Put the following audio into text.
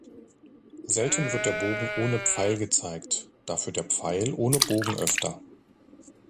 Selten wird der Bogen ohne Pfeil gezeigt, dafür der Pfeil ohne Bogen öfter.